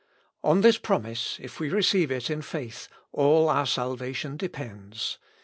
On this promise, if we receive it in faith, all our salvation depends.